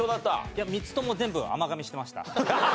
いや３つとも全部甘噛みしてました。